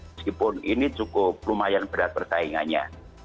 meskipun ini cukup lumayan berat persaingannya